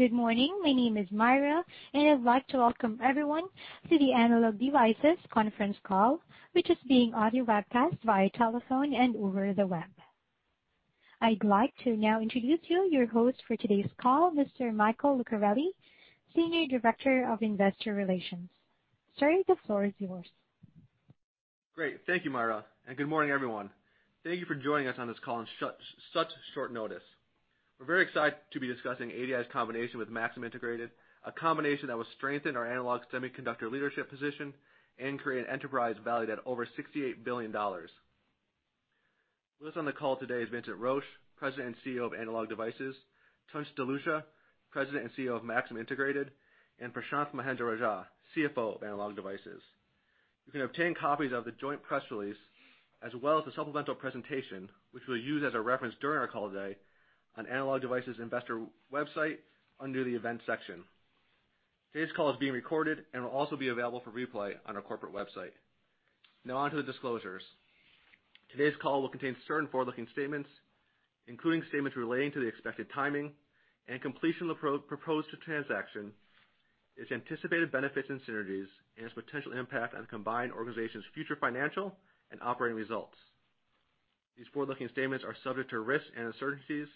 Good morning? My name is Myra, and I'd like to welcome everyone to the Analog Devices conference call, which is being audio webcast via telephone and over the web. I'd like to now introduce you your host for today's call, Mr. Michael Lucarelli, Senior Director of Investor Relations. Sir, the floor is yours. Great. Thank you, Myra, and good morning everyone? Thank you for joining us on this call on such short notice. We're very excited to be discussing ADI's combination with Maxim Integrated, a combination that will strengthen our analog semiconductor leadership position and create an enterprise valued at over $68 billion. With us on the call today is Vincent Roche, President and Chief Executive Officer of Analog Devices, Tunç Doluca, President and Chief Executive Officer of Maxim Integrated, and Prashanth Mahendra-Rajah, Chief Financial Officer of Analog Devices. You can obtain copies of the joint press release as well as the supplemental presentation, which we'll use as a reference during our call today, on Analog Devices' investor website under the events section. Today's call is being recorded and will also be available for replay on our corporate website. Now on to the disclosures. Today's call will contain certain forward-looking statements, including statements relating to the expected timing and completion of the proposed transaction, its anticipated benefits and synergies, and its potential impact on the combined organization's future financial and operating results. These forward-looking statements are subject to risks and uncertainties,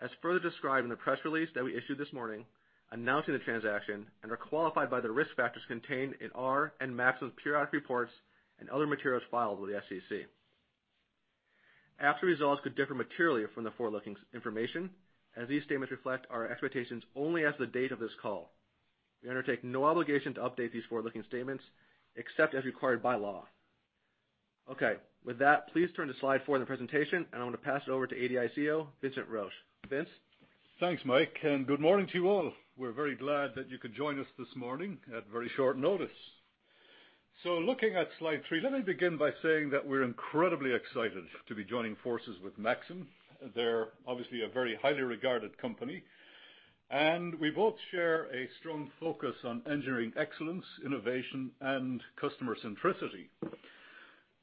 as further described in the press release that we issued this morning announcing the transaction, and are qualified by the risk factors contained in our and Maxim's periodic reports and other materials filed with the SEC. Actual results could differ materially from the forward-looking information, as these statements reflect our expectations only as of the date of this call. We undertake no obligation to update these forward-looking statements except as required by law. Okay. With that, please turn to slide four in the presentation, and I'm going to pass it over to ADI Chief Executive Officer, Vincent Roche. Vincent? Thanks, Mike, and good morning to you all. We're very glad that you could join us this morning at very short notice. Looking at slide three, let me begin by saying that we're incredibly excited to be joining forces with Maxim. They're obviously a very highly regarded company, and we both share a strong focus on engineering excellence, innovation, and customer centricity.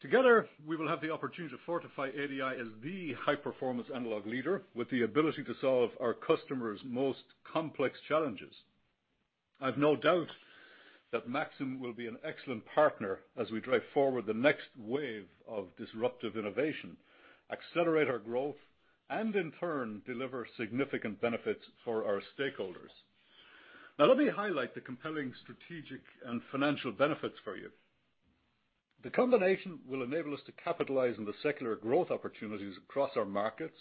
Together, we will have the opportunity to fortify ADI as the high-performance analog leader with the ability to solve our customers' most complex challenges. I've no doubt that Maxim will be an excellent partner as we drive forward the next wave of disruptive innovation, accelerate our growth, and in turn, deliver significant benefits for our stakeholders. Now let me highlight the compelling strategic and financial benefits for you. The combination will enable us to capitalize on the secular growth opportunities across our markets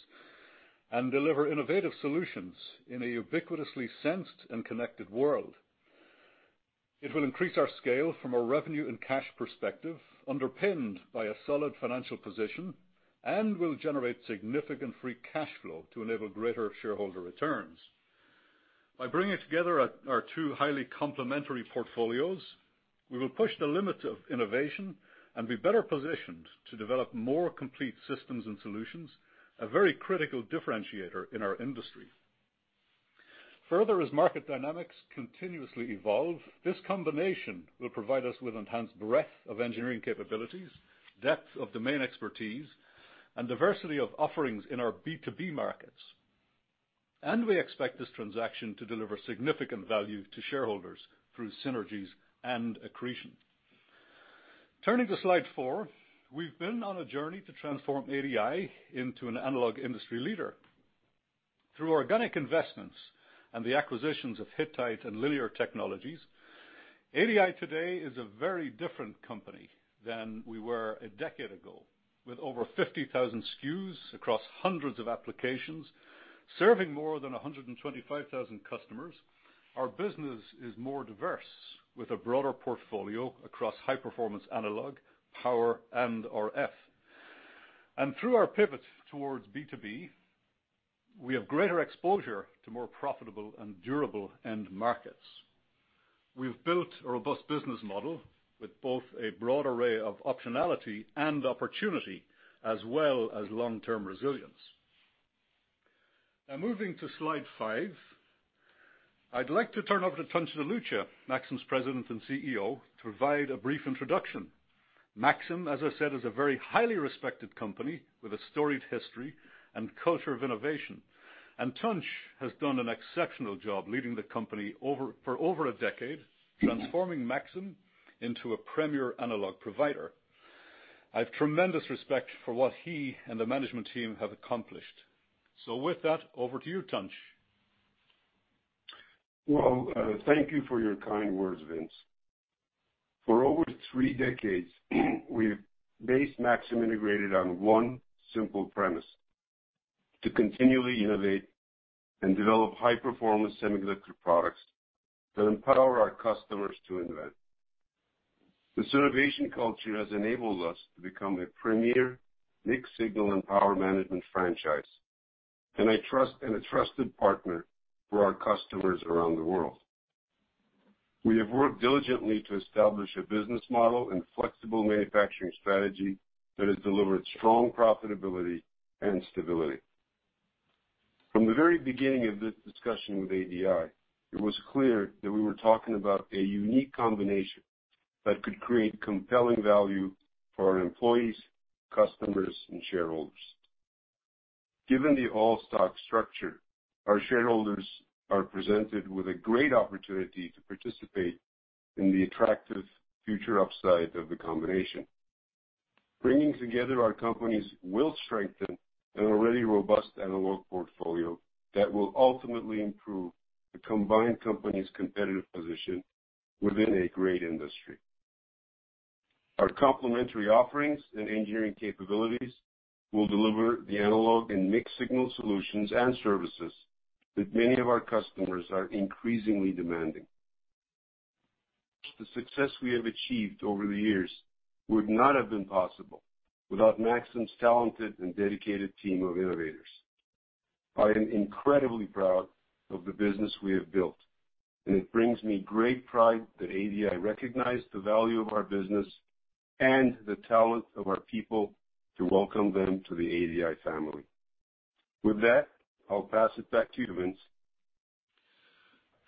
and deliver innovative solutions in a ubiquitously sensed and connected world. It will increase our scale from a revenue and cash perspective, underpinned by a solid financial position, and will generate significant free cash flow to enable greater shareholder returns. By bringing together our two highly complementary portfolios, we will push the limits of innovation and be better positioned to develop more complete systems and solutions, a very critical differentiator in our industry. Further, as market dynamics continuously evolve, this combination will provide us with enhanced breadth of engineering capabilities, depth of domain expertise, and diversity of offerings in our B2B markets. We expect this transaction to deliver significant value to shareholders through synergies and accretion. Turning to slide four. We've been on a journey to transform ADI into an analog industry leader. Through organic investments and the acquisitions of Hittite and Linear Technology, ADI today is a very different company than we were a decade ago. With over 50,000 SKUs across hundreds of applications, serving more than 125,000 customers, our business is more diverse, with a broader portfolio across high-performance analog, power, and RF. Through our pivot towards B2B, we have greater exposure to more profitable and durable end markets. We've built a robust business model with both a broad array of optionality and opportunity, as well as long-term resilience. Moving to slide five. I'd like to turn over to Tunç Doluca, Maxim's President and Chief Executive Officer, to provide a brief introduction. Maxim, as I said, is a very highly respected company with a storied history and culture of innovation. Tunç has done an exceptional job leading the company for over a decade, transforming Maxim into a premier analog provider. I have tremendous respect for what he and the management team have accomplished. With that, over to you, Tunç. Well, thank you for your kind words, Vincent. For over three decades, we've based Maxim Integrated on one simple premise: to continually innovate and develop high-performance semiconductor products that empower our customers to invent. This innovation culture has enabled us to become a premier mixed-signal and power management franchise, and a trusted partner for our customers around the world. We have worked diligently to establish a business model and flexible manufacturing strategy that has delivered strong profitability and stability. From the very beginning of this discussion with ADI, it was clear that we were talking about a unique combination that could create compelling value for our employees, customers, and shareholders. Given the all-stock structure, our shareholders are presented with a great opportunity to participate in the attractive future upside of the combination. Bringing together our companies will strengthen an already robust analog portfolio that will ultimately improve the combined company's competitive position within a great industry. Our complementary offerings and engineering capabilities will deliver the analog and mixed-signal solutions and services that many of our customers are increasingly demanding. The success we have achieved over the years would not have been possible without Maxim's talented and dedicated team of innovators. I am incredibly proud of the business we have built, and it brings me great pride that ADI recognized the value of our business and the talent of our people to welcome them to the ADI family. With that, I'll pass it back to you, Vincent.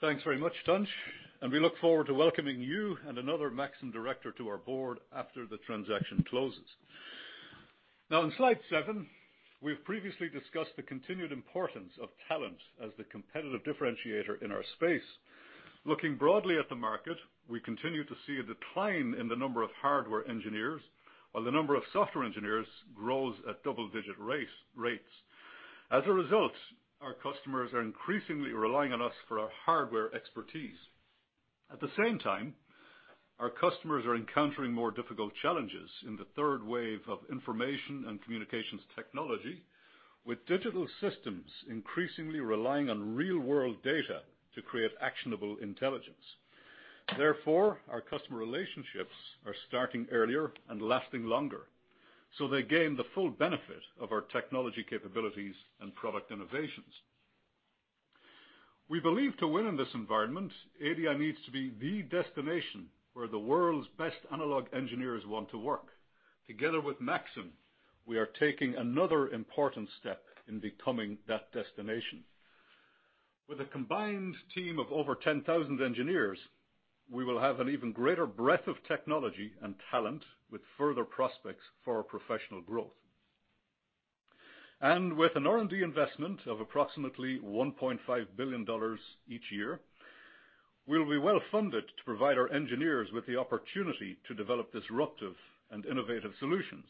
Thanks very much, Tunç. We look forward to welcoming you and another Maxim director to our board after the transaction closes. Now, on slide seven, we've previously discussed the continued importance of talent as the competitive differentiator in our space. Looking broadly at the market, we continue to see a decline in the number of Hardware Engineers while the number of Software Engineers grows at double-digit rates. As a result, our customers are increasingly relying on us for our hardware expertise. At the same time, our customers are encountering more difficult challenges in the third wave of information and communications technology, with digital systems increasingly relying on real-world data to create actionable intelligence. Therefore, our customer relationships are starting earlier and lasting longer, so they gain the full benefit of our technology capabilities and product innovations. We believe to win in this environment, ADI needs to be the destination where the world's best analog engineers want to work. Together with Maxim, we are taking another important step in becoming that destination. With a combined team of over 10,000 engineers, we will have an even greater breadth of technology and talent, with further prospects for our professional growth. With an R&D investment of approximately $1.5 billion each year, we'll be well-funded to provide our engineers with the opportunity to develop disruptive and innovative solutions.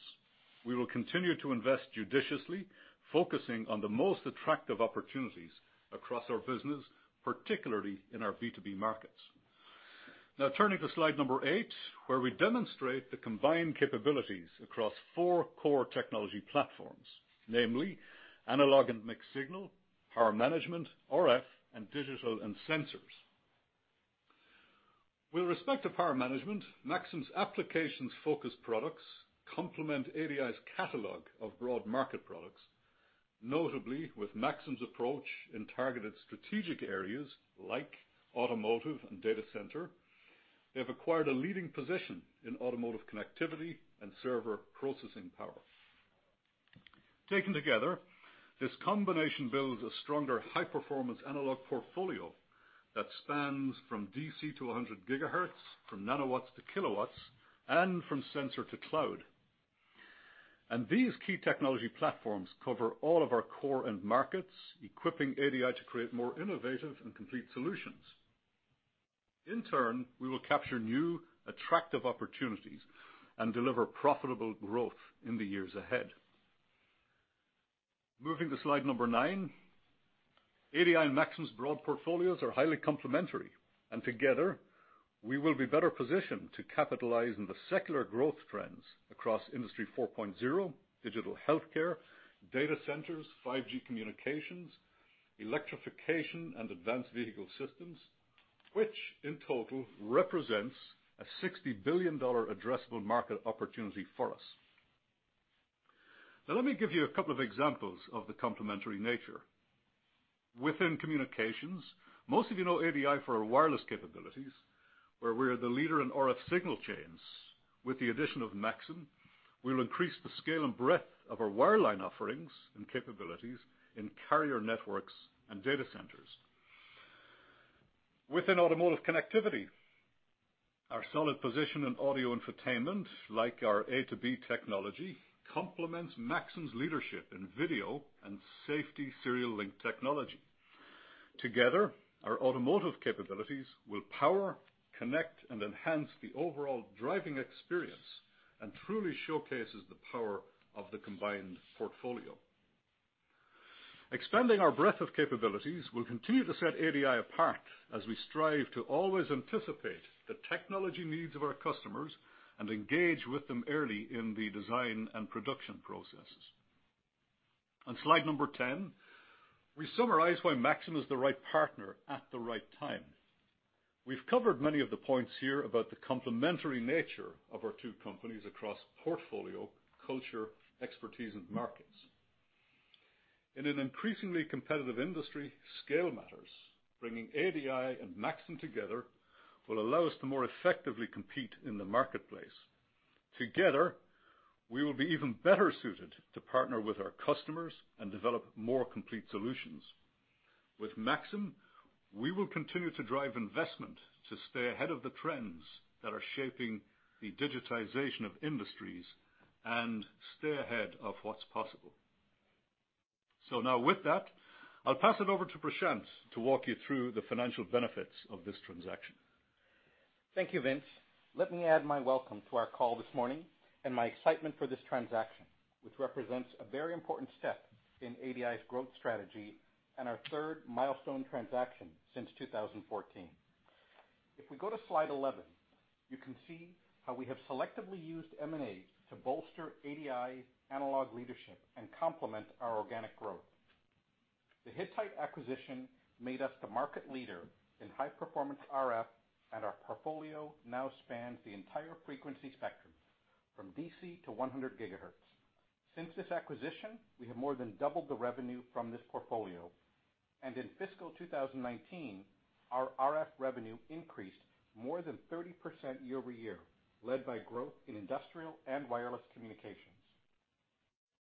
We will continue to invest judiciously, focusing on the most attractive opportunities across our business, particularly in our B2B markets. Turning to slide number eight, where we demonstrate the combined capabilities across four core technology platforms. Namely analog and mixed-signal, power management, RF, and digital and sensors. With respect to power management, Maxim's applications-focused products complement ADI's catalog of broad market products, notably with Maxim's approach in targeted strategic areas like automotive and data center. They have acquired a leading position in automotive connectivity and server processing power. Taken together, this combination builds a stronger, high-performance analog portfolio that spans from DC to 100 GHz, from nanowatts to kilowatts, and from sensor to cloud. These key technology platforms cover all of our core end markets, equipping ADI to create more innovative and complete solutions. In turn, we will capture new, attractive opportunities and deliver profitable growth in the years ahead. Moving to slide number nine. ADI and Maxim's broad portfolios are highly complementary, and together we will be better positioned to capitalize on the secular growth trends across Industry 4.0, digital healthcare, data centers, 5G communications, electrification, and advanced vehicle systems, which in total represents a $60 billion addressable market opportunity for us. Now let me give you a couple of examples of the complementary nature. Within communications, most of you know ADI for our wireless capabilities, where we are the leader in RF signal chains. With the addition of Maxim, we'll increase the scale and breadth of our wireline offerings and capabilities in carrier networks and data centers. Within automotive connectivity, our solid position in audio entertainment, like our A2B technology, complements Maxim's leadership in video and safety serial link technology. Together, our automotive capabilities will power, connect, and enhance the overall driving experience and truly showcases the power of the combined portfolio. Expanding our breadth of capabilities will continue to set ADI apart as we strive to always anticipate the technology needs of our customers and engage with them early in the design and production processes. On slide number 10, we summarize why Maxim is the right partner at the right time. We've covered many of the points here about the complementary nature of our two companies across portfolio, culture, expertise, and markets. In an increasingly competitive industry, scale matters. Bringing ADI and Maxim together will allow us to more effectively compete in the marketplace. Together, we will be even better suited to partner with our customers and develop more complete solutions. With Maxim, we will continue to drive investment to stay ahead of the trends that are shaping the digitization of industries and stay ahead of what's possible. Now with that, I'll pass it over to Prashanth to walk you through the financial benefits of this transaction. Thank you, Vincent. Let me add my welcome to our call this morning and my excitement for this transaction, which represents a very important step in ADI's growth strategy and our third milestone transaction since 2014. If we go to slide 11, you can see how we have selectively used M&A to bolster ADI's analog leadership and complement our organic growth. The Hittite acquisition made us the market leader in high-performance RF, and our portfolio now spans the entire frequency spectrum, from DC to 100 GHz. Since this acquisition, we have more than doubled the revenue from this portfolio. In fiscal 2019, our RF revenue increased more than 30% year-over-year, led by growth in industrial and wireless communications.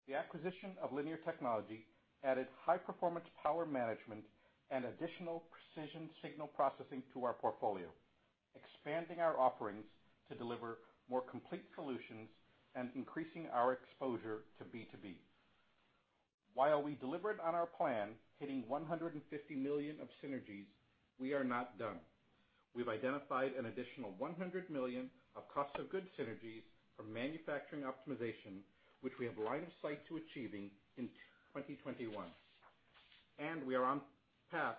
The acquisition of Linear Technology added high performance power management and additional precision signal processing to our portfolio, expanding our offerings to deliver more complete solutions and increasing our exposure to B2B. While we delivered on our plan, hitting $150 million of synergies, we are not done. We've identified an additional $100 million of cost of goods synergies from manufacturing optimization, which we have line of sight to achieving in 2021. We are on path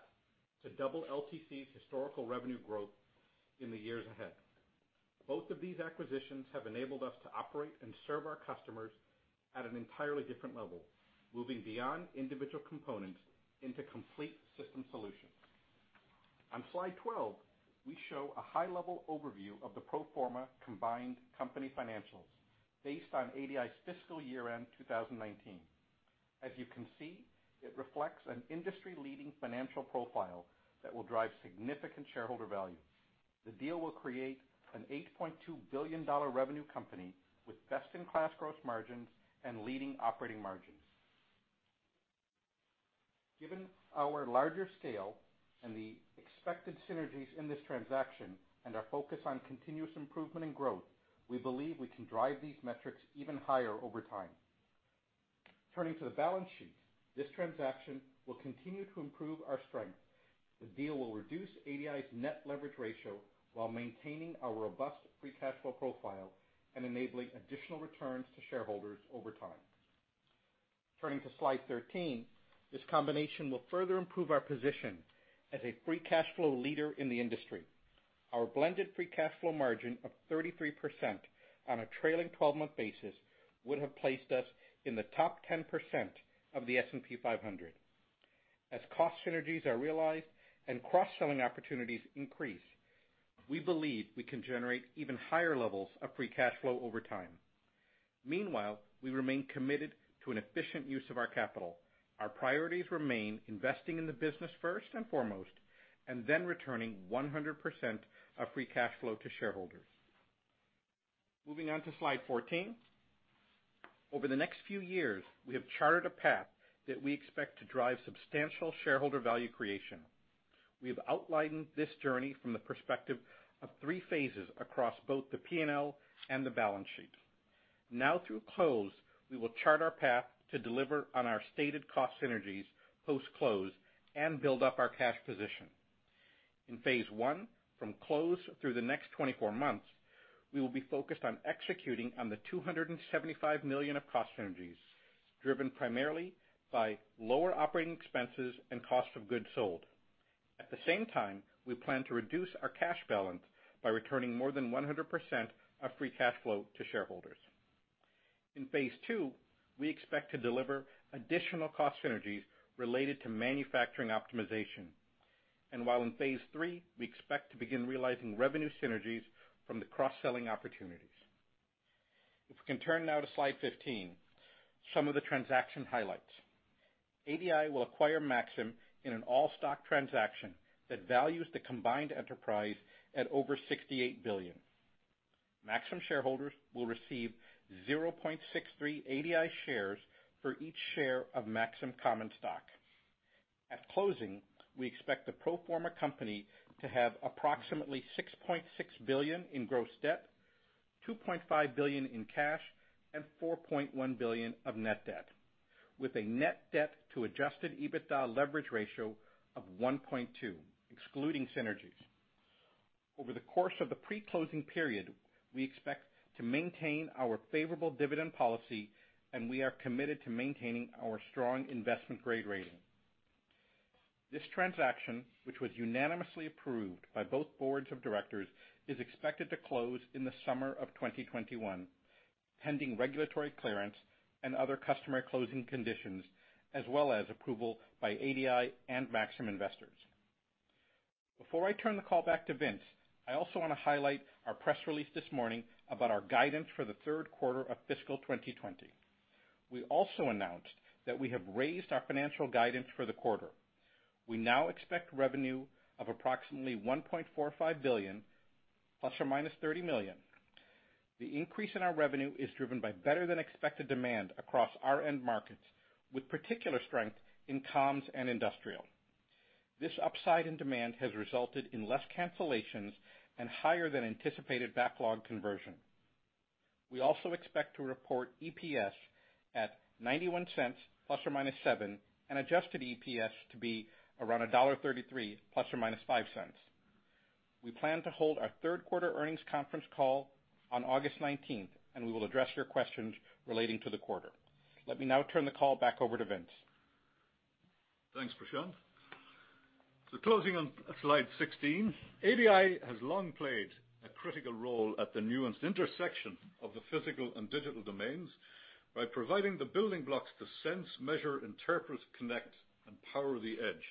to double LTC's historical revenue growth in the years ahead. Both of these acquisitions have enabled us to operate and serve our customers at an entirely different level, moving beyond individual components into complete system solutions. On slide 12, we show a high-level overview of the pro forma combined company financials based on ADI's fiscal year-end 2019. As you can see, it reflects an industry-leading financial profile that will drive significant shareholder value. The deal will create an $8.2 billion revenue company with best-in-class gross margins and leading operating margins. Given our larger scale and the expected synergies in this transaction and our focus on continuous improvement and growth, we believe we can drive these metrics even higher over time. Turning to the balance sheet, this transaction will continue to improve our strength. The deal will reduce ADI's net leverage ratio while maintaining our robust free cash flow profile and enabling additional returns to shareholders over time. Turning to slide 13, this combination will further improve our position as a free cash flow leader in the industry. Our blended free cash flow margin of 33% on a trailing 12-month basis would have placed us in the top 10% of the S&P 500. As cost synergies are realized and cross-selling opportunities increase, we believe we can generate even higher levels of free cash flow over time. Meanwhile, we remain committed to an efficient use of our capital. Our priorities remain investing in the business first and foremost, and then returning 100% of free cash flow to shareholders. Moving on to slide 14. Over the next few years, we have charted a path that we expect to drive substantial shareholder value creation. We have outlined this journey from the perspective of three phases across both the P&L and the balance sheet. Now through close, we will chart our path to deliver on our stated cost synergies post-close and build up our cash position. In phase I, from close through the next 24 months, we will be focused on executing on the $275 million of cost synergies, driven primarily by lower operating expenses and cost of goods sold. At the same time, we plan to reduce our cash balance by returning more than 100% of free cash flow to shareholders. In phase II, we expect to deliver additional cost synergies related to manufacturing optimization. While in phase III, we expect to begin realizing revenue synergies from the cross-selling opportunities. If we can turn now to slide 15, some of the transaction highlights. ADI will acquire Maxim in an all-stock transaction that values the combined enterprise at over $68 billion. Maxim shareholders will receive 0.63 ADI shares for each share of Maxim common stock. At closing, we expect the pro forma company to have approximately $6.6 billion in gross debt, $2.5 billion in cash, and $4.1 billion of net debt, with a net debt to adjusted EBITDA leverage ratio of 1.2, excluding synergies. Over the course of the pre-closing period, we expect to maintain our favorable dividend policy, and we are committed to maintaining our strong investment-grade rating. This transaction, which was unanimously approved by both Boards of Directors, is expected to close in the summer of 2021, pending regulatory clearance and other customary closing conditions, as well as approval by ADI and Maxim investors. Before I turn the call back to Vincent, I also want to highlight our press release this morning about our guidance for the third quarter of fiscal 2020. We also announced that we have raised our financial guidance for the quarter. We now expect revenue of approximately $1.45 billion, ±$30 million. The increase in our revenue is driven by better than expected demand across our end markets, with particular strength in comms and industrial. This upside in demand has resulted in less cancellations and higher than anticipated backlog conversion. We also expect to report EPS at $0.91 ±$0.07, and adjusted EPS to be around $1.33 ±$0.05. We plan to hold our third quarter earnings conference call on August 19. We will address your questions relating to the quarter. Let me now turn the call back over to Vincent. Thanks, Prashanth. Closing on slide 16, ADI has long played a critical role at the nuanced intersection of the physical and digital domains by providing the building blocks to sense, measure, interpret, connect, and power the edge.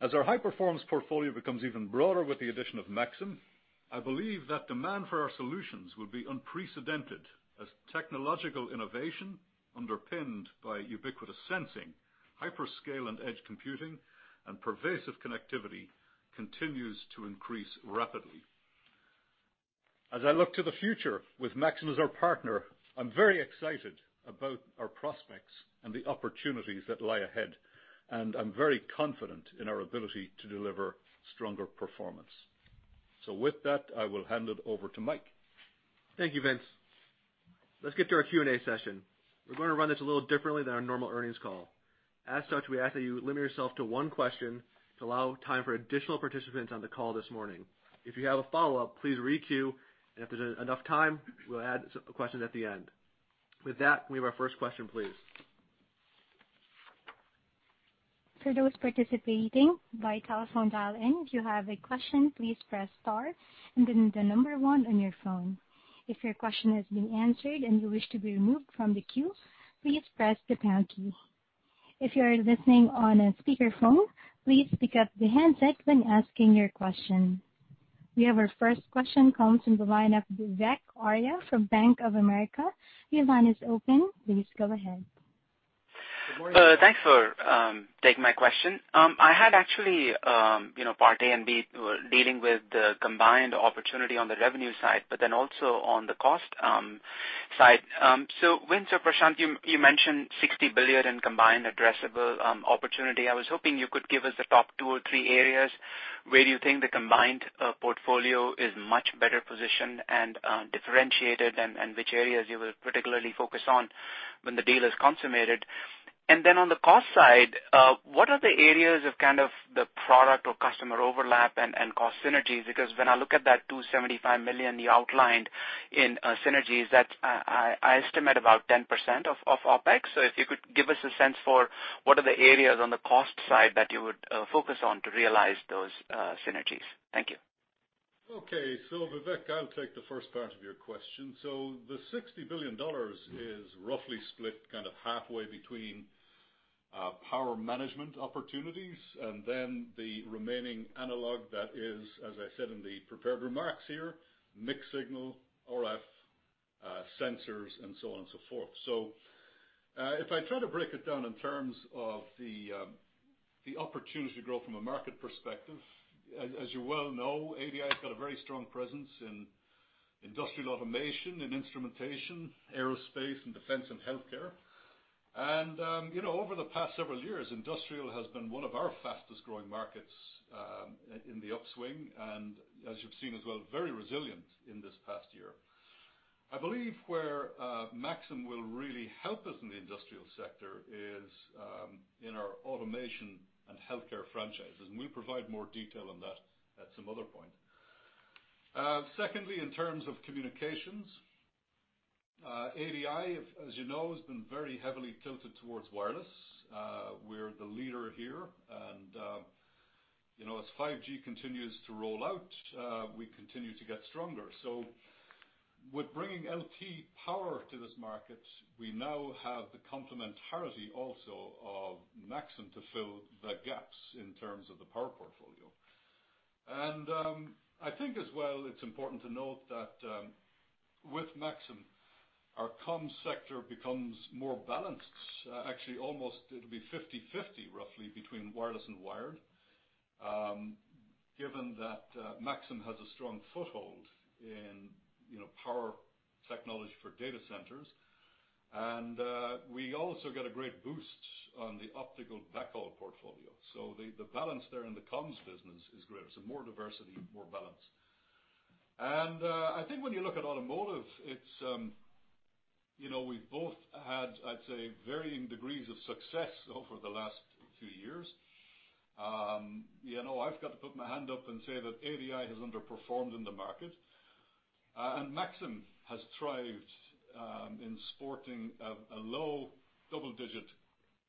As our high performance portfolio becomes even broader with the addition of Maxim, I believe that demand for our solutions will be unprecedented as technological innovation underpinned by ubiquitous sensing, hyperscale and edge computing, and pervasive connectivity continues to increase rapidly. As I look to the future with Maxim as our partner, I'm very excited about our prospects and the opportunities that lie ahead, and I'm very confident in our ability to deliver stronger performance. With that, I will hand it over to Michael. Thank you, Vincent. Let's get to our Q&A session. We're going to run this a little differently than our normal earnings call. As such, we ask that you limit yourself to one question to allow time for additional participants on the call this morning. If you have a follow-up, please re-queue, and if there's enough time, we'll add questions at the end. With that, we have our first question, please. For those participating by telephone dial-in, if you have a question, please press star and then one on your phone. If your question has been answered and you wish to be removed from the queue, please press the pound key. If you are listening on a speakerphone, please pick up the handset when asking your question. We have our first question comes from the line of Vivek Arya from Bank of America, your line is open. Please go ahead. Good morning? Thanks for taking my question. I had actually part A and B dealing with the combined opportunity on the revenue side, but then also on the cost side. Vincent or Prashanth, you mentioned $60 billion in combined addressable opportunity. I was hoping you could give us the top two or three areas where you think the combined portfolio is much better positioned and differentiated, and which areas you will particularly focus on when the deal is consummated. On the cost side, what are the areas of the product or customer overlap and cost synergies? When I look at that $275 million you outlined in synergies, that I estimate about 10% of OpEx. If you could give us a sense for what are the areas on the cost side that you would focus on to realize those synergies. Thank you. Okay. Vivek, I'll take the first part of your question. The $60 billion is roughly split kind of halfway between power management opportunities, and then the remaining analog that is, as I said in the prepared remarks here, mixed-signal, RF, sensors, and so on and so forth. If I try to break it down in terms of the opportunity to grow from a market perspective, as you well know, ADI's got a very strong presence in industrial automation, in instrumentation, aerospace, and defense and healthcare. Over the past several years, industrial has been one of our fastest-growing markets in the upswing, and as you've seen as well, very resilient in this past year. I believe where Maxim will really help us in the industrial sector is in our automation and healthcare franchises, and we'll provide more detail on that at some other point. In terms of communications, ADI, as you know, has been very heavily tilted towards wireless. We're the leader here. As 5G continues to roll out, we continue to get stronger. With bringing LT power to this market, we now have the complementarity also of Maxim to fill the gaps in terms of the power portfolio. I think as well, it's important to note that with Maxim, our comms sector becomes more balanced. Actually, almost it'll be 50/50 roughly between wireless and wired, given that Maxim has a strong foothold in power technology for data centers. We also get a great boost on the optical backhaul portfolio. The balance there in the comms business is great, more diversity, more balance. I think when you look at automotive, we've both had, I'd say, varying degrees of success over the last few years. I've got to put my hand up and say that ADI has underperformed in the market. Maxim has thrived in sporting a low double-digit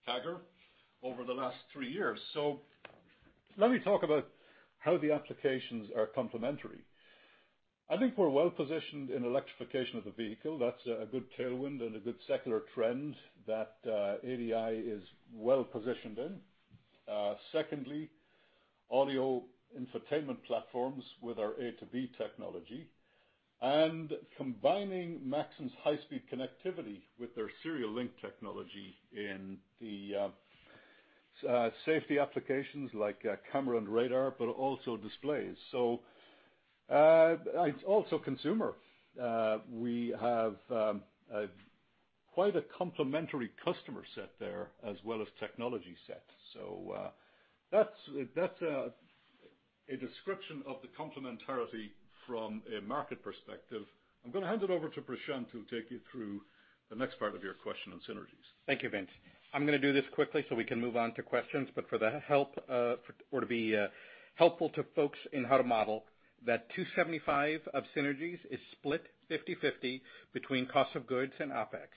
CAGR over the last three years. Let me talk about how the applications are complementary. I think we're well positioned in electrification of the vehicle. That's a good tailwind and a good secular trend that ADI is well positioned in. Secondly, audio infotainment platforms with our A2B technology, and combining Maxim's high-speed connectivity with their serial link technology in the safety applications like camera and radar, but also displays. It's also consumer. We have quite a complementary customer set there as well as technology set. That's a description of the complementarity from a market perspective. I'm going to hand it over to Prashanth to take you through the next part of your question on synergies. Thank you, Vincent. I'm going to do this quickly so we can move on to questions, but to be helpful to folks in how to model that $275 million of synergies is split 50/50 between cost of goods and OpEx.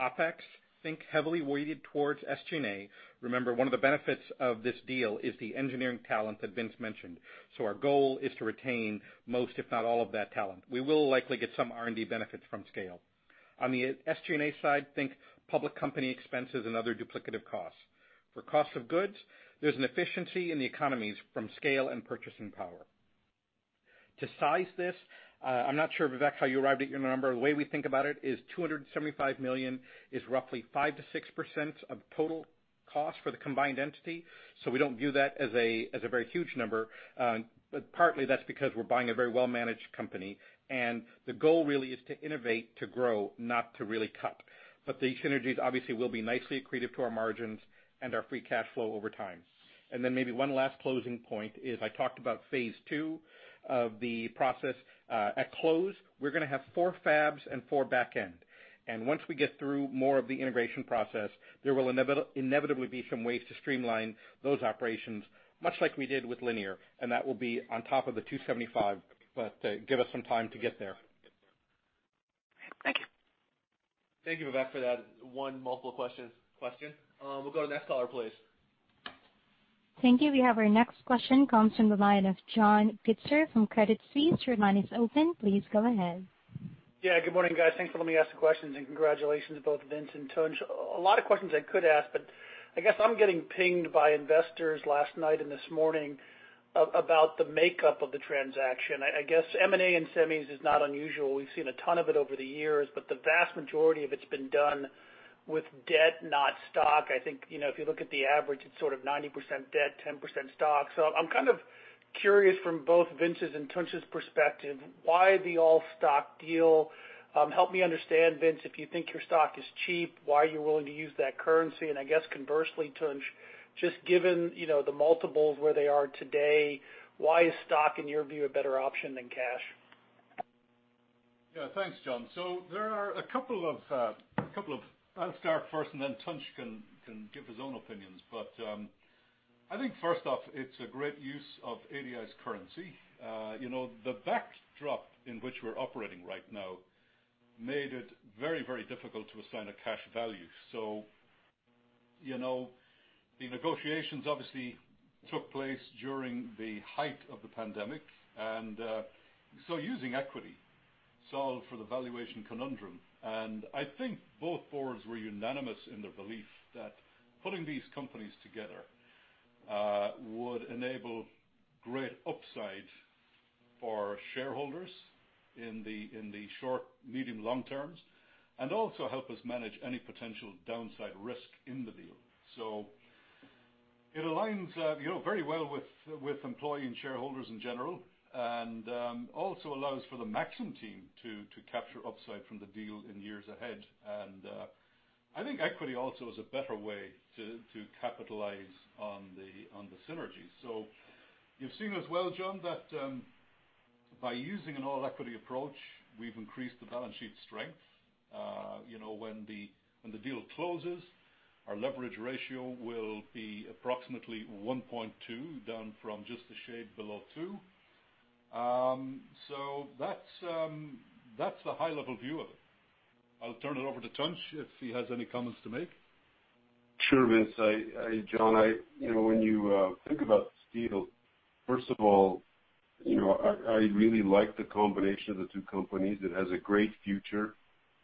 OpEx, think heavily weighted towards SG&A. Remember, one of the benefits of this deal is the engineering talent that Vincent mentioned. Our goal is to retain most, if not all, of that talent. We will likely get some R&D benefits from scale. On the SG&A side, think public company expenses and other duplicative costs. For cost of goods, there's an efficiency in the economies from scale and purchasing power. To size this, I'm not sure, Vivek, how you arrived at your number. The way we think about it is $275 million is roughly 5%-6% of total cost for the combined entity. We don't view that as a very huge number. Partly that's because we're buying a very well-managed company, and the goal really is to innovate, to grow, not to really cut. The synergies obviously will be nicely accretive to our margins and our free cash flow over time. Then maybe one last closing point is I talked about phase two of the process. At close, we're gonna have four fabs and four back-end. Once we get through more of the integration process, there will inevitably be some ways to streamline those operations, much like we did with Linear, and that will be on top of the $275, but give us some time to get there. Thank you. Thank you, Vivek, for that one multiple question. We'll go to the next caller, please. Thank you. We have our next question comes from the line of John Pitzer from Credit Suisse, your line is open. Please go ahead. Yeah, good morning guys? Thanks for letting me ask the questions and congratulations both Vincent and Tunç. A lot of questions I could ask, but I guess I'm getting pinged by investors last night and this morning about the makeup of the transaction. I guess M&A in semis is not unusual. We've seen a ton of it over the years, but the vast majority of it's been done with debt, not stock. I think if you look at the average, it's sort of 90% debt, 10% stock. I'm kind of curious from both Vincent's and Tunç's perspective, why the all-stock deal? Help me understand, Vincent, if you think your stock is cheap, why are you willing to use that currency? I guess conversely, Tunç, just given the multiples where they are today, why is stock, in your view, a better option than cash? Yeah. Thanks, John. There are a couple of I'll start first and then Tunç can give his own opinions. I think first off, it's a great use of ADI's currency. The backdrop in which we're operating right now made it very difficult to assign a cash value. The negotiations obviously took place during the height of the pandemic, and so using equity solved for the valuation conundrum. I think both boards were unanimous in their belief that putting these companies together would enable great upside for shareholders in the short, medium, long terms, and also help us manage any potential downside risk in the deal. It aligns very well with employee and shareholders in general, and also allows for the Maxim team to capture upside from the deal in years ahead. I think equity also is a better way to capitalize on the synergies. You've seen as well, John, that by using an all-equity approach, we've increased the balance sheet strength. When the deal closes, our leverage ratio will be approximately 1.2 down from just a shade below two. That's the high-level view of it. I'll turn it over to Tunç if he has any comments to make. Sure, Vincent. John, when you think about this deal, first of all, I really like the combination of the two companies. It has a great future.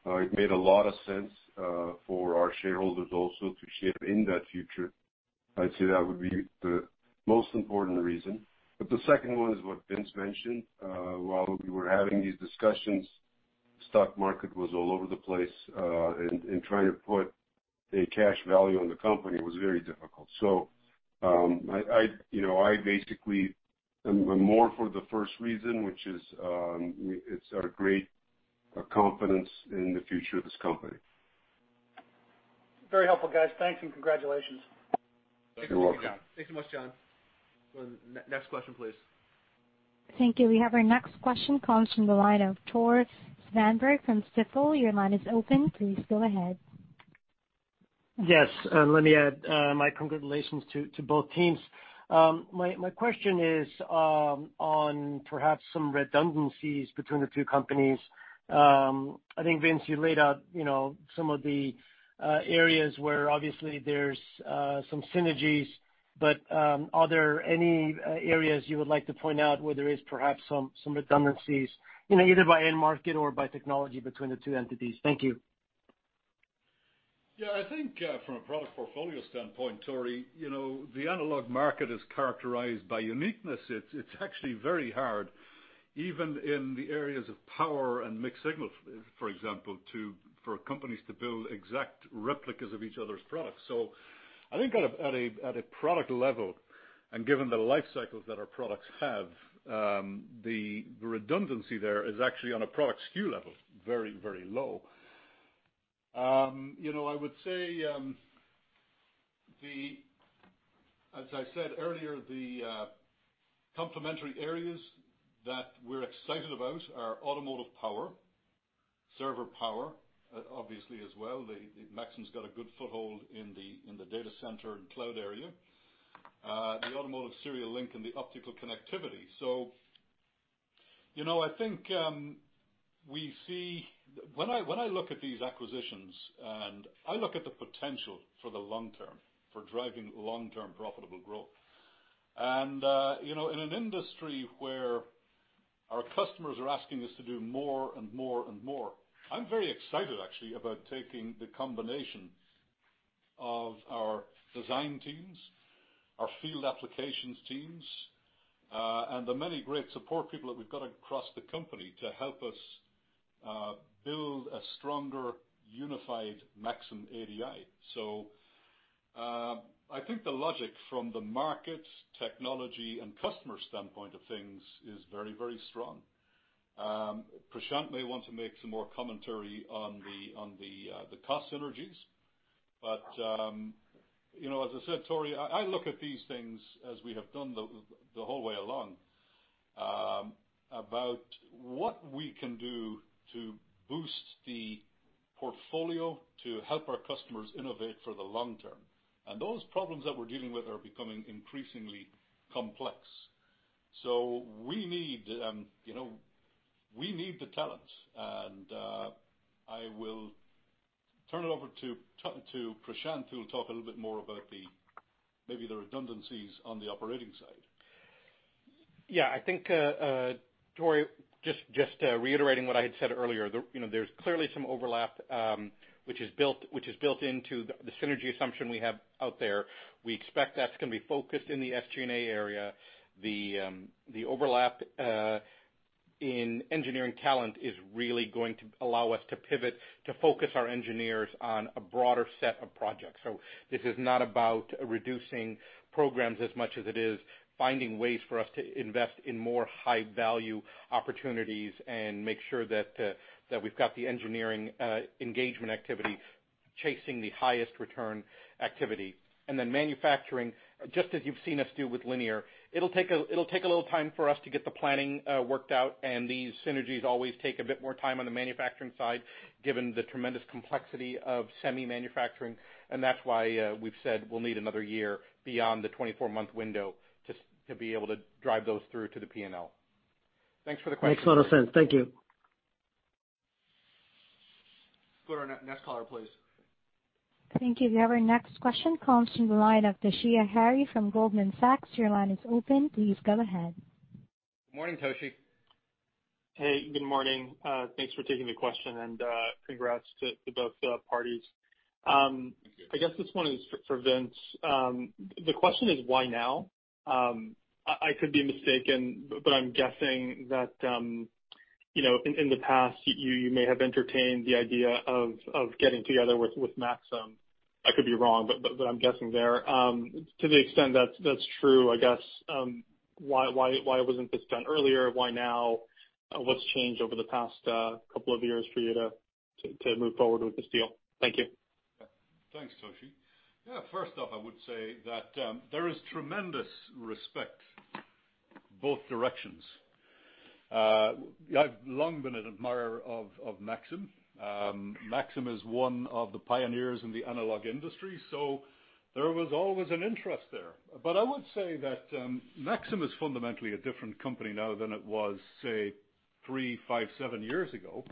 It made a lot of sense for our shareholders also to share in that future. I'd say that would be the most important reason, but the second one is what Vincent mentioned. While we were having these discussions, stock market was all over the place, and trying to put a cash value on the company was very difficult. I basically am more for the first reason, which is it's our great confidence in the future of this company. Very helpful, guys. Thanks and congratulations. You're welcome. Thanks so much, John. Next question, please. Thank you. We have our next question comes from the line of Tore Svanberg from Stifel, your line is open. Please go ahead. Yes. Let me add my congratulations to both teams. My question is on perhaps some redundancies between the two companies. I think, Vincent, you laid out some of the areas where obviously there's some synergies, but are there any areas you would like to point out where there is perhaps some redundancies, either by end market or by technology between the two entities? Thank you. Yeah, I think from a product portfolio standpoint, Tore, the analog market is characterized by uniqueness. It's actually very hard, even in the areas of power and mixed-signal, for example, for companies to build exact replicas of each other's products. I think at a product level. Given the life cycles that our products have, the redundancy there is actually on a product SKU level, very low. I would say, as I said earlier, the complementary areas that we're excited about are automotive power, server power, obviously, as well, Maxim's got a good foothold in the data center and cloud area, the automotive serial link and the optical connectivity. When I look at these acquisitions, and I look at the potential for the long term for driving long-term profitable growth. In an industry where our customers are asking us to do more and more and more, I'm very excited, actually, about taking the combination of our design teams, our field applications teams, and the many great support people that we've got across the company to help us build a stronger, unified Maxim ADI. I think the logic from the market, technology, and customer standpoint of things is very, very strong. Prashanth may want to make some more commentary on the cost synergies, but as I said, Tore, I look at these things as we have done the whole way along, about what we can do to boost the portfolio to help our customers innovate for the long term. Those problems that we're dealing with are becoming increasingly complex. We need the talent. I will turn it over to Prashanth, who will talk a little bit more about maybe the redundancies on the operating side. Yeah. I think, Tore, just reiterating what I had said earlier, there's clearly some overlap, which is built into the synergy assumption we have out there. We expect that's going to be focused in the SG&A area. The overlap in engineering talent is really going to allow us to pivot, to focus our engineers on a broader set of projects. This is not about reducing programs as much as it is finding ways for us to invest in more high-value opportunities and make sure that we've got the engineering engagement activity chasing the highest return activity. Then manufacturing, just as you've seen us do with Linear, it'll take a little time for us to get the planning worked out, and these synergies always take a bit more time on the manufacturing side, given the tremendous complexity of semi-manufacturing. That's why we've said we'll need another year beyond the 24-month window to be able to drive those through to the P&L. Thanks for the question. Makes a lot of sense. Thank you. Go to our next caller, please. Thank you. We have our next question comes from the line of Toshiya Hari from Goldman Sachs, your line is open. Please go ahead. Morning Toshiya? Hey, good morning. Thanks for taking the question and congrats to both parties. Thank you. I guess this one is for Vincent. The question is, why now? I could be mistaken, but I'm guessing that in the past, you may have entertained the idea of getting together with Maxim. I could be wrong, but I'm guessing there. To the extent that's true, I guess, why wasn't this done earlier? Why now? What's changed over the past couple of years for you to move forward with this deal? Thank you. Thanks, Toshiya. First off, I would say that there is tremendous respect both directions. I've long been an admirer of Maxim. Maxim is one of the pioneers in the Analog industry. There was always an interest there. I would say that Maxim is fundamentally a different company now than it was, say, three years, five years, seven years ago.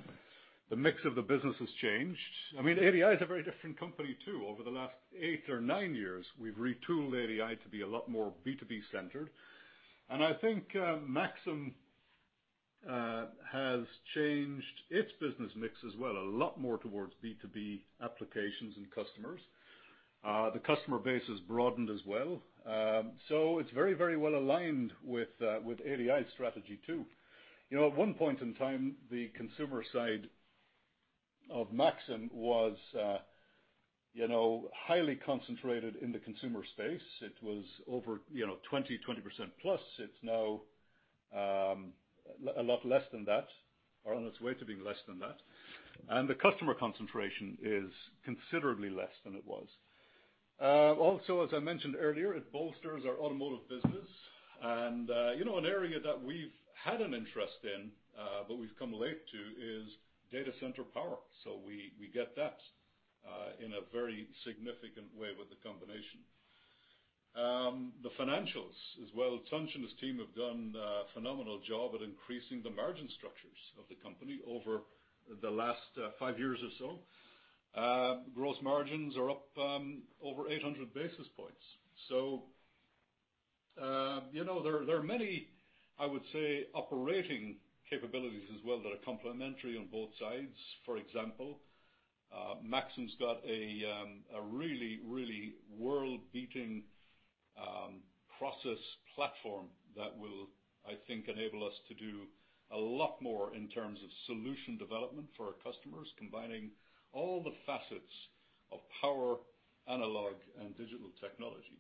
The mix of the business has changed. ADI is a very different company, too. Over the last eight years or nine years, we've retooled ADI to be a lot more B2B centered. I think Maxim has changed its business mix as well, a lot more towards B2B applications and customers. The customer base has broadened as well. It's very well aligned with ADI's strategy, too. At one point in time, the consumer side of Maxim was highly concentrated in the consumer space. It was over 20%-plus. It's now a lot less than that, or on its way to being less than that. The customer concentration is considerably less than it was. Also, as I mentioned earlier, it bolsters our automotive business. An area that we've had an interest in, but we've come late to, is data center power. We get that in a very significant way with the combination. The financials as well, Tunç and his team have done a phenomenal job at increasing the margin structures of the company over the last five years or so. Gross margins are up over 800 basis points. There are many, I would say, operating capabilities as well that are complementary on both sides. For example, Maxim's got a really world-beating process platform that will, I think, enable us to do a lot more in terms of solution development for our customers, combining all the facets of power analog and digital technologies.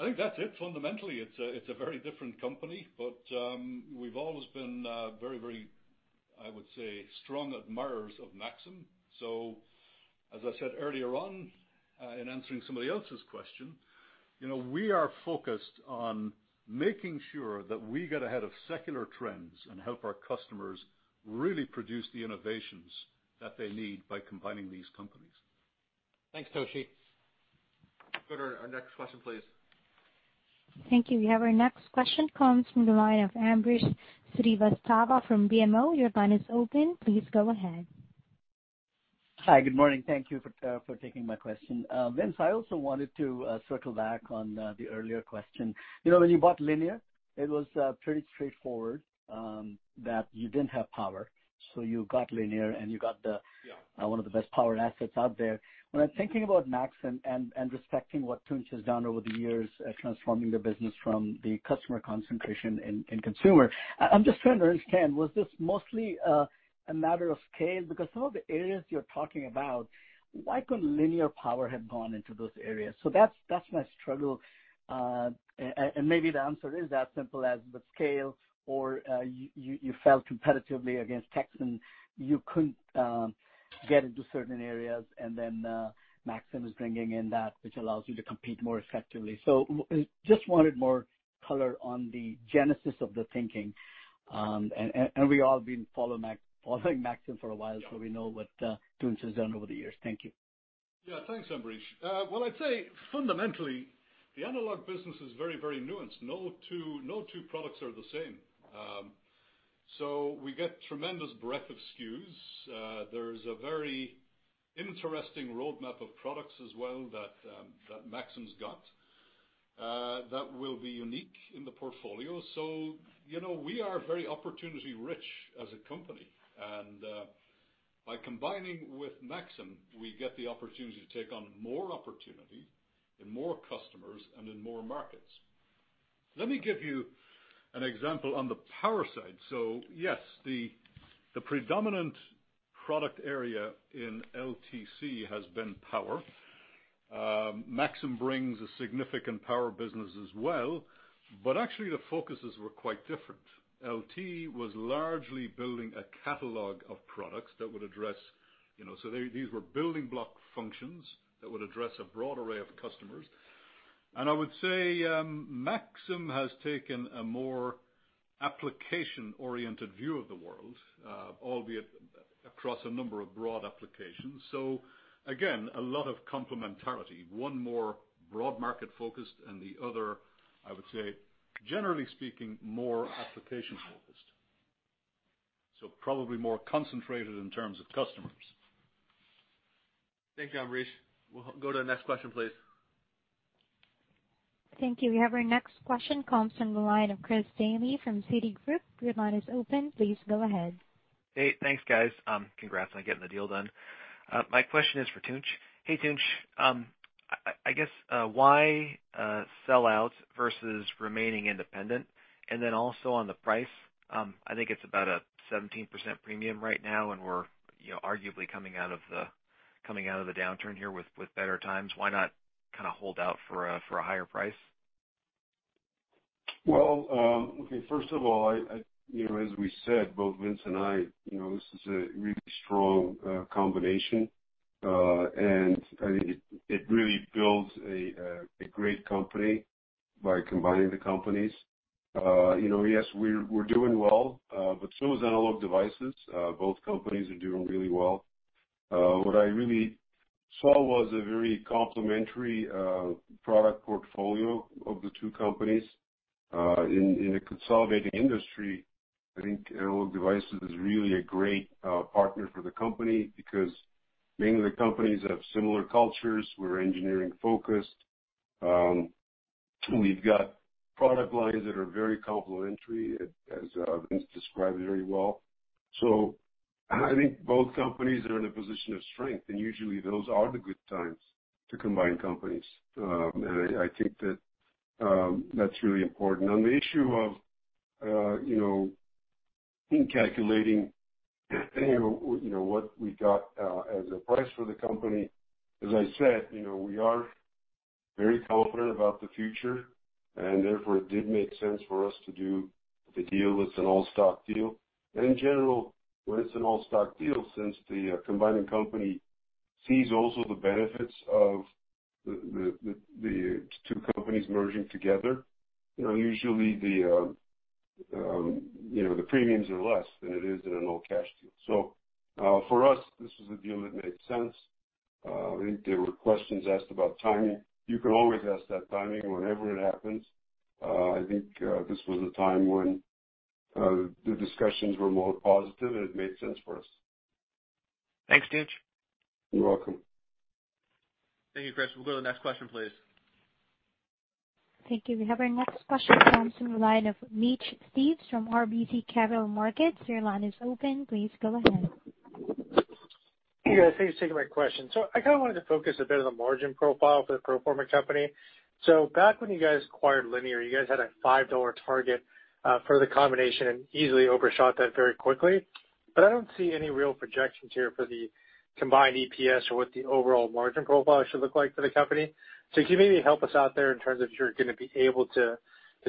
I think that's it. Fundamentally, it's a very different company, but we've always been very, I would say, strong admirers of Maxim. As I said earlier on in answering somebody else's question, we are focused on making sure that we get ahead of secular trends and help our customers really produce the innovations that they need by combining these companies. Thanks, Toshiya. Go to our next question, please. Thank you. We have our next question comes from the line of Ambrish Srivastava from BMO, your line is open. Please go ahead. Hi. Good morning? Thank you for taking my question. Vincent, I also wanted to circle back on the earlier question. When you bought Linear, it was pretty straightforward that you didn't have power, so you got Linear one of the best power assets out there. When I'm thinking about Maxim and respecting what Tunç has done over the years transforming the business from the customer concentration in consumer, I'm just trying to understand, was this mostly a matter of scale? Because some of the areas you're talking about, why couldn't Linear Power have gone into those areas? That's my struggle, and maybe the answer is as simple as the scale, or you fell competitively against Texas Instruments. You couldn't get into certain areas, then Maxim is bringing in that which allows you to compete more effectively. Just wanted more color on the genesis of the thinking. We all been following Maxim for a while. We know what Tunç has done over the years. Thank you. Thanks, Ambrish. Well, I'd say fundamentally, the analog business is very, very nuanced. No two products are the same. We get tremendous breadth of SKUs. There's a very interesting roadmap of products as well that Maxim's got that will be unique in the portfolio. We are very opportunity rich as a company, and by combining with Maxim, we get the opportunity to take on more opportunity in more customers and in more markets. Let me give you an example on the power side. Yes, the predominant product area in LTC has been power. Maxim brings a significant power business as well, but actually the focuses were quite different. LT was largely building a catalog of products that would address, these were building block functions that would address a broad array of customers. I would say Maxim has taken a more application-oriented view of the world, albeit across a number of broad applications. Again, a lot of complementarity. One more broad market-focused and the other, I would say, generally speaking, more application-focused. Probably more concentrated in terms of customers. Thanks, Ambrish. We'll go to the next question, please. Thank you. We have our next question comes from the line of Chris Danely from Citigroup, your line is open. Please go ahead. Hey, thanks, guys. Congrats on getting the deal done. My question is for Tunç. Hey, Tunç. I guess why sell out versus remaining independent? Also on the price, I think it's about a 17% premium right now, and we're arguably coming out of the downturn here with better times. Why not kind of hold out for a higher price? Okay. First of all, as we said, both Vincent and I, this is a really strong combination, and I think it really builds a great company by combining the companies. We're doing well, but so is Analog Devices. Both companies are doing really well. What I really saw was a very complementary product portfolio of the two companies. In a consolidating industry, I think Analog Devices is really a great partner for the company because mainly the companies have similar cultures. We're engineering-focused. We've got product lines that are very complementary, as Vincent described very well. I think both companies are in a position of strength, and usually those are the good times to combine companies. I think that's really important. On the issue of in calculating what we got as a price for the company, as I said, we are very confident about the future, and therefore it did make sense for us to do the deal. It's an all-stock deal. In general, when it's an all-stock deal, since the combining company sees also the benefits of the two companies merging together, usually the premiums are less than it is in an all-cash deal. For us, this was a deal that made sense. I think there were questions asked about timing. You can always ask that timing whenever it happens. I think this was a time when the discussions were more positive, and it made sense for us. Thanks, Tunç. You're welcome. Thank you, Chris. We'll go to the next question, please. Thank you. We have our next question comes from the line of Mitch Steves from RBC Capital Markets, your line is open. Please go ahead. Hey, guys. Thanks for taking my question. I kind of wanted to focus a bit on the margin profile for the pro forma company. Back when you guys acquired Linear, you guys had a $5 target for the combination and easily overshot that very quickly. I don't see any real projections here for the combined EPS or what the overall margin profile should look like for the company. Can you maybe help us out there in terms of if you're going to be able to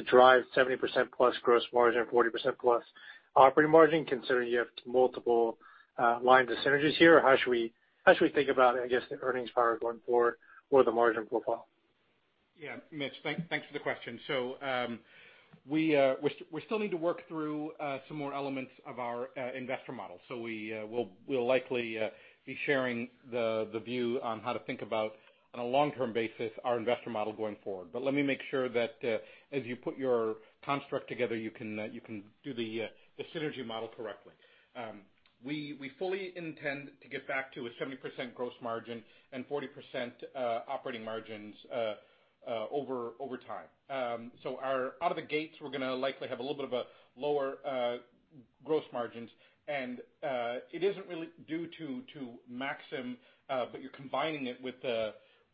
drive 70%-plus gross margin or 40%-plus operating margin, considering you have multiple lines of synergies here? How should we think about, I guess, the earnings power going forward for the margin profile? Yeah, Mitch, thanks for the question. We still need to work through some more elements of our investor model. We'll likely be sharing the view on how to think about, on a long-term basis, our investor model going forward. Let me make sure that as you put your construct together, you can do the synergy model correctly. We fully intend to get back to a 70% gross margin and 40% operating margins over time. Out of the gates, we're going to likely have a little bit of a lower gross margins, and it isn't really due to Maxim, but you're combining it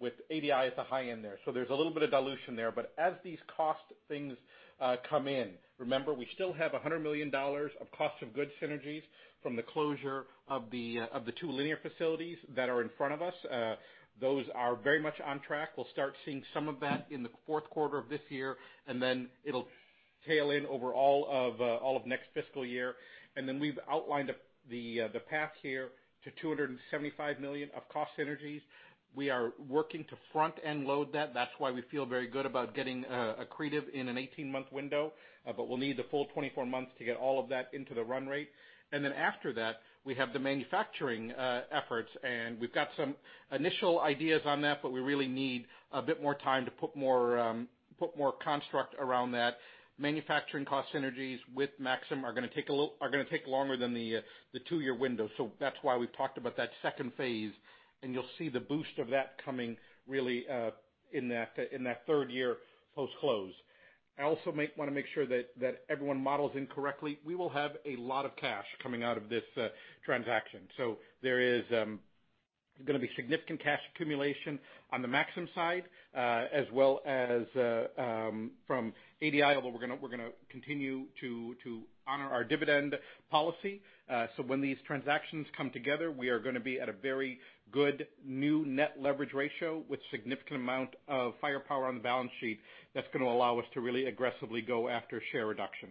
with ADI at the high end there. There's a little bit of dilution there, but as these cost things come in, remember, we still have $100 million of cost of goods synergies from the closure of the two Linear facilities that are in front of us. Those are very much on track. We'll start seeing some of that in the fourth quarter of this year, then it'll tail in over all of next fiscal year. Then we've outlined the path here to $275 million of cost synergies. We are working to front-end load that. That's why we feel very good about getting accretive in an 18-month window. We'll need the full 24 months to get all of that into the run rate. Then after that, we have the manufacturing efforts, and we've got some initial ideas on that, but we really need a bit more time to put more construct around that. Manufacturing cost synergies with Maxim are going to take longer than the two-year window. That's why we've talked about that second phase, and you'll see the boost of that coming really in that third year post-close. I also want to make sure that everyone models in correctly. We will have a lot of cash coming out of this transaction. There is going to be significant cash accumulation on the Maxim side, as well as from ADI, although we're going to continue to honor our dividend policy. When these transactions come together, we are going to be at a very good new net leverage ratio with significant amount of firepower on the balance sheet that's going to allow us to really aggressively go after share reduction.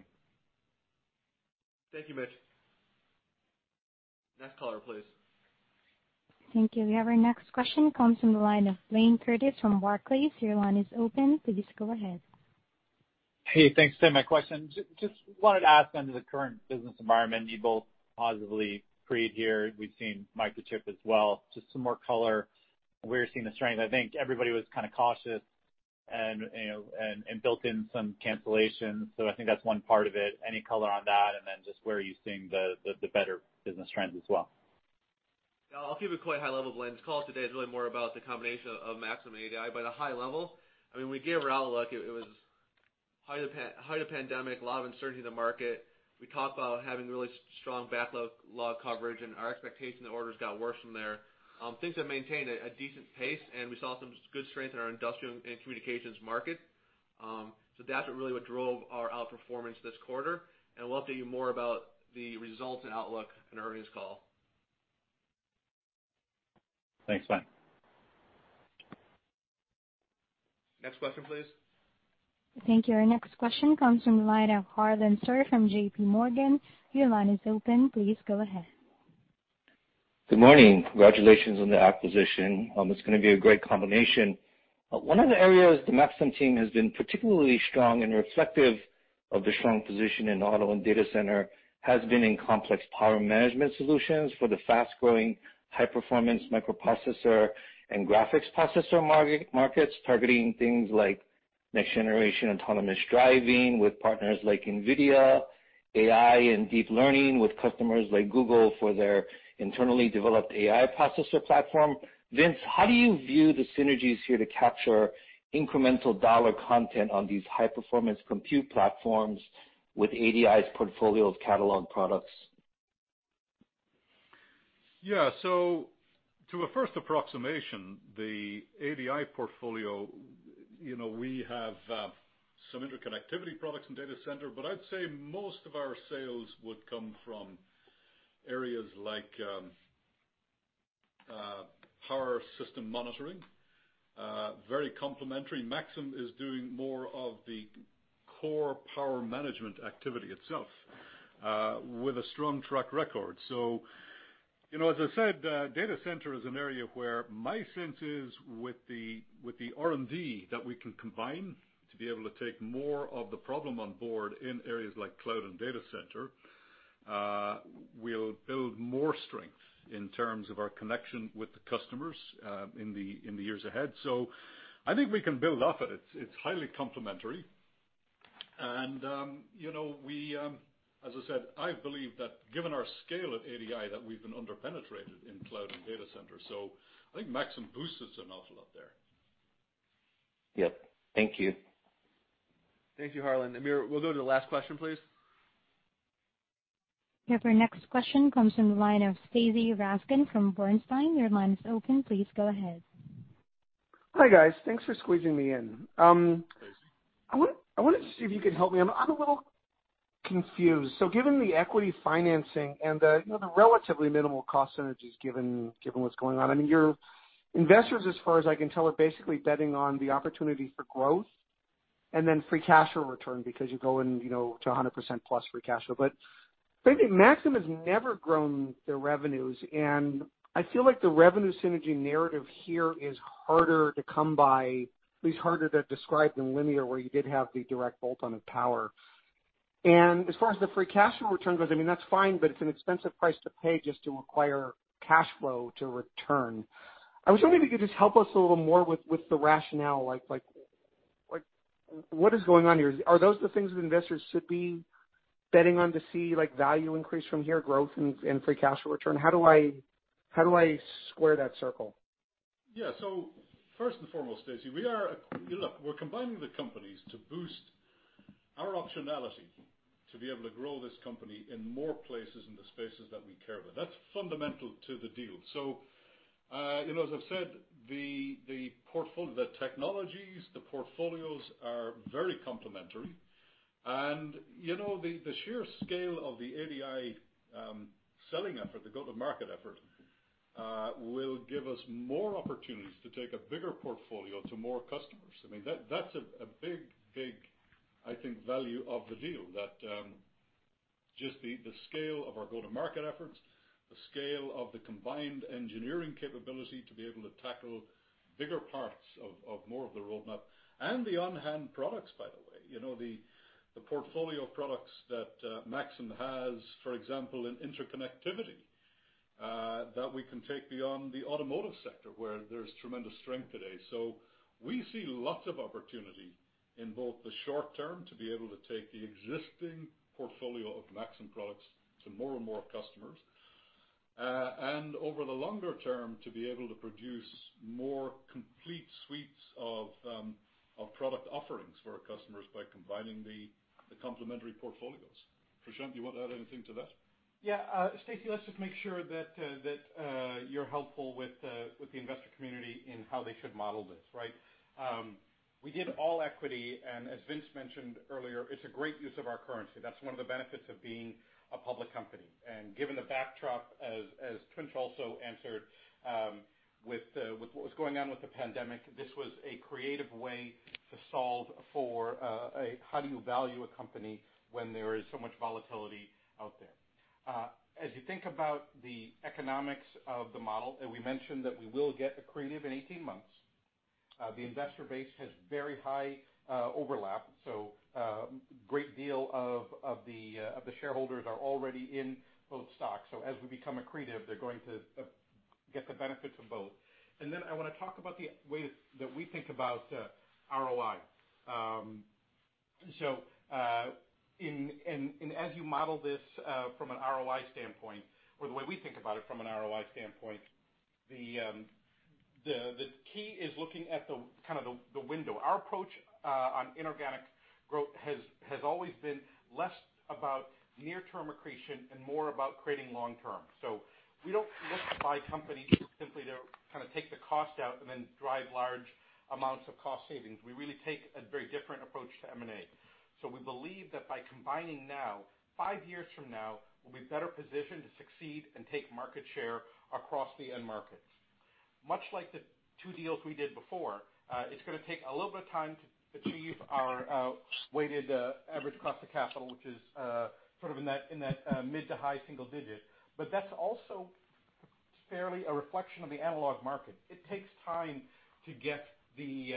Thank you, Mitch. Next caller, please. Thank you. We have our next question comes from the line of Blayne Curtis from Barclays, your line is open. Please go ahead. Hey, thanks. Same question. Just wanted to ask under the current business environment, you both positively creed here. We've seen Microchip as well. Just some more color. We're seeing the strength. I think everybody was kind of cautious and built in some cancellations. I think that's one part of it. Any color on that? Just where are you seeing the better business trends as well? I'll keep it quite high level, Blayne. This call today is really more about the combination of Maxim and ADI, but a high level, we gave our outlook, it was height of pandemic, a lot of uncertainty in the market. We talked about having really strong backlog coverage, and our expectation of orders got worse from there. Things have maintained a decent pace, and we saw some good strength in our industrial and communications market. That's really what drove our outperformance this quarter, and we'll update you more about the results and outlook in our earnings call. Thanks, Blayne. Next question, please. Thank you. Our next question comes from the line of Harlan Sur from JPMorgan, your line is open. Please go ahead. Good morning? Congratulations on the acquisition. It's going to be a great combination. One of the areas the Maxim team has been particularly strong and reflective of the strong position in auto and data center has been in complex power management solutions for the fast-growing high-performance microprocessor and graphics processor markets, targeting things like next generation autonomous driving with partners like NVIDIA, AI and deep learning with customers like Google for their internally developed AI processor platform. Vincent, how do you view the synergies here to capture incremental dollar content on these high-performance compute platforms with ADI's portfolio of catalog products? To a first approximation, the ADI portfolio, we have some interconnectivity products in data center, I'd say most of our sales would come from areas like power system monitoring, very complementary. Maxim is doing more of the core power management activity itself with a strong track record. As I said, data center is an area where my sense is with the R&D that we can combine to be able to take more of the problem on board in areas like cloud and data center, we'll build more strength in terms of our connection with the customers in the years ahead. I think we can build off it. It's highly complementary. As I said, I believe that given our scale at ADI, that we've been under-penetrated in cloud and data center. I think Maxim boosts us an awful lot there. Yep. Thank you. Thank you, Harlan. Amir, we'll go to the last question, please. Yep. Our next question comes from the line of Stacy Rasgon from Bernstein, your line is open. Please go ahead. Hi guys. Thanks for squeezing me in. I wanted to see if you could help me. I'm a little confused. Given the equity financing and the relatively minimal cost synergies given what's going on, your investors, as far as I can tell, are basically betting on the opportunity for growth and then free cash flow return because you go to 100%-plus free cash flow. I think Maxim has never grown their revenues, and I feel like the revenue synergy narrative here is harder to come by, at least harder to describe than Linear, where you did have the direct bolt-on of power. As far as the free cash flow return goes, that's fine, but it's an expensive price to pay just to acquire cash flow to return. I was wondering if you could just help us a little more with the rationale. What is going on here? Are those the things that investors should be betting on to see value increase from here, growth and free cash flow return? How do I square that circle? Yeah. First and foremost, Stacy, look, we're combining the companies to boost our optionality to be able to grow this company in more places in the spaces that we care about. That's fundamental to the deal. As I've said, the technologies, the portfolios are very complementary, and the sheer scale of the ADI selling effort, the go-to-market effort, will give us more opportunities to take a bigger portfolio to more customers. That's a big value of the deal, just the scale of our go-to-market efforts, the scale of the combined engineering capability to be able to tackle bigger parts of more of the roadmap, and the on-hand products, by the way. The portfolio of products that Maxim has, for example, in interconnectivity, that we can take beyond the automotive sector where there's tremendous strength today. We see lots of opportunity in both the short term to be able to take the existing portfolio of Maxim products to more and more customers, and over the longer term, to be able to produce more complete suites of product offerings for our customers by combining the complementary portfolios. Prashanth, you want to add anything to that? Yeah. Stacy, let's just make sure that you're helpful with the investor community in how they should model this. Right? We did all equity, and as Vincent mentioned earlier, it's a great use of our currency. That's one of the benefits of being a public company. Given the backdrop, as Vincent also answered, with what was going on with the pandemic, this was a creative way to solve for how do you value a company when there is so much volatility out there. As you think about the economics of the model, and we mentioned that we will get accretive in 18 months, the investor base has very high overlap, so a great deal of the shareholders are already in both stocks. As we become accretive, they're going to get the benefits of both. Then I want to talk about the way that we think about ROI. As you model this from an ROI standpoint, or the way we think about it from an ROI standpoint, the key is looking at the window. Our approach on inorganic growth has always been less about near-term accretion and more about creating long-term. We don't look to buy companies simply to take the cost out and then drive large amounts of cost savings. We really take a very different approach to M&A. We believe that by combining now, five years from now, we'll be better positioned to succeed and take market share across the end markets. Much like the two deals we did before, it's going to take a little bit of time to achieve our weighted average cost of capital, which is in that mid to high single digit. That's also fairly a reflection of the analog market. It takes time to get the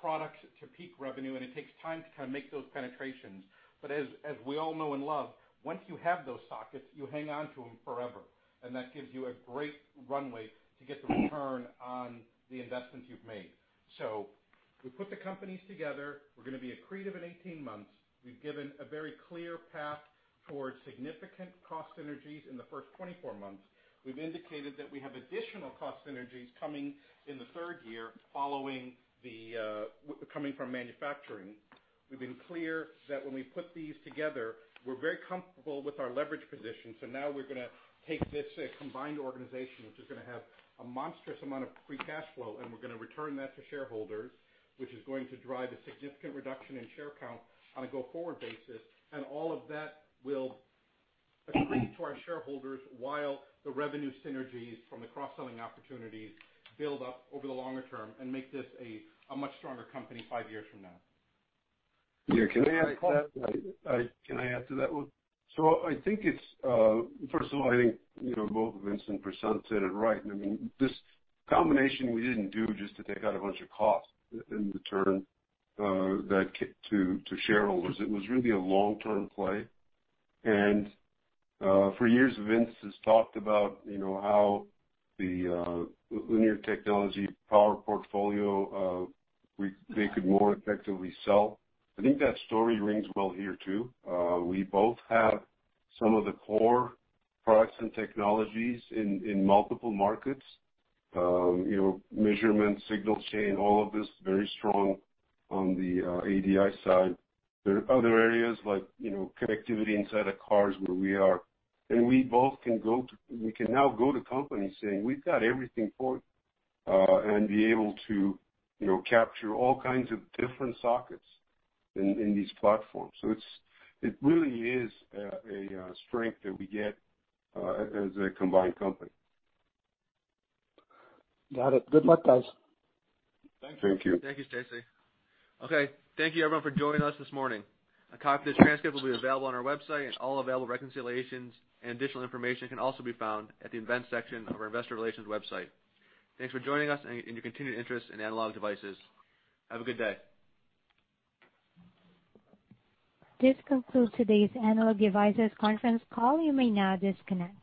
products to peak revenue, and it takes time to make those penetrations. As we all know and love, once you have those sockets, you hang on to them forever, and that gives you a great runway to get the return on the investments you've made. We put the companies together. We're going to be accretive in 18 months. We've given a very clear path towards significant cost synergies in the first 24 months. We've indicated that we have additional cost synergies coming in the third year coming from manufacturing. We've been clear that when we put these together, we're very comfortable with our leverage position. Now we're going to take this combined organization, which is going to have a monstrous amount of free cash flow, and we're going to return that to shareholders, which is going to drive a significant reduction in share count on a go-forward basis. All of that will accrete to our shareholders while the revenue synergies from the cross-selling opportunities build up over the longer term and make this a much stronger company five years from now. Yeah. Can I add to that? First of all, I think, both Vincent and Prashanth said it right. This combination we didn't do just to take out a bunch of costs and return that to shareholders. It was really a long-term play. For years, Vincent has talked about how the Linear Technology power portfolio they could more effectively sell. I think that story rings well here, too. We both have some of the core products and technologies in multiple markets. Measurement, signal chain, all of this, very strong on the ADI side. There are other areas like connectivity inside of cars where we are. We can now go to companies saying we've got everything for you, and be able to capture all kinds of different sockets in these platforms. It really is a strength that we get as a combined company. Got it. Good luck, guys. Thank you. Thank you, Stacy. Okay. Thank you, everyone, for joining us this morning. A copy of this transcript will be available on our website, and all available reconciliations and additional information can also be found at the event section of our investor relations website. Thanks for joining us and your continued interest in Analog Devices. Have a good day. This concludes today's Analog Devices conference call, you may now disconnect.